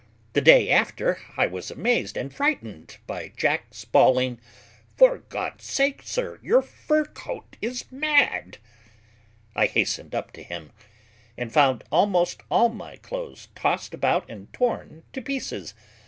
The day after I was amazed and frightened by Jack's bawling, "For God's sake, sir, your fur cloak is mad!" I hastened up to him, and found almost all my clothes tossed about and torn to pieces.